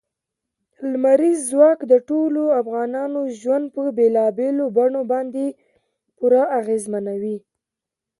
لمریز ځواک د ټولو افغانانو ژوند په بېلابېلو بڼو باندې پوره اغېزمنوي.